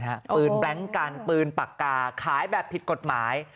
ปืนแบล็งกันปืนปากกาขายแบบผิดกฎหมาย